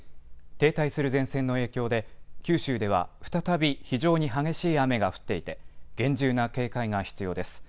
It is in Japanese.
停滞する前線の影響で、九州では再び非常に激しい雨が降っていて、厳重な警戒が必要です。